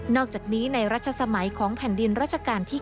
อกจากนี้ในรัชสมัยของแผ่นดินรัชกาลที่๙